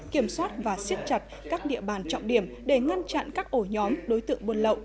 kiểm soát và siết chặt các địa bàn trọng điểm để ngăn chặn các ổ nhóm đối tượng buôn lậu